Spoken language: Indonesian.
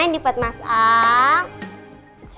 ini udah auto focus lagi